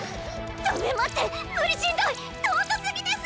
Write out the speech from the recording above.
ダメ待って無理しんどい尊すぎです！